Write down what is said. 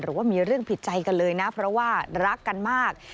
หรือว่ามีเรื่องผิดใจกันเลยนะเพราะว่ารักกันมาก